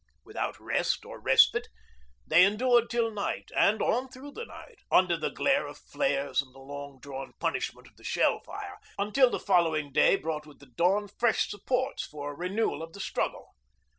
Without rest or respite they endured till night, and on through the night, under the glare of flares and the long drawn punishment of the shell fire, until the following day brought with the dawn fresh supports for a renewal of the struggle.